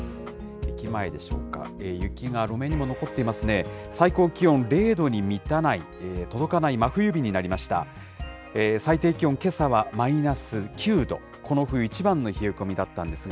駅前でしょうか、雪が路面にも残っていますね。